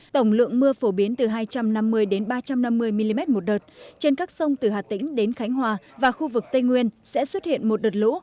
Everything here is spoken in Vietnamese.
tổng lượng mưa phổ biến từ hai trăm năm mươi đến ba trăm năm mươi mm một đợt trên các sông từ hà tĩnh đến khánh hòa và khu vực tây nguyên sẽ xuất hiện một đợt lũ